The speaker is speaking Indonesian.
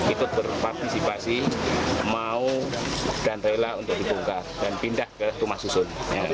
ikut berpartisipasi mau dan rela untuk dibongkar dan pindah ke rumah susun